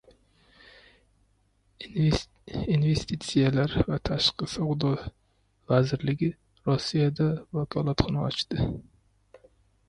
Investitsiyalar va tashqi savdo vazirligi Rossiyada vakolatxona ochadi